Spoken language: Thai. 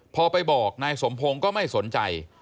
พอไปบอกนายสมพงศ์ก็ไม่สนใจ